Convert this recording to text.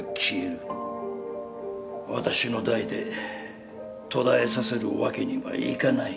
私の代で途絶えさせるわけにはいかない。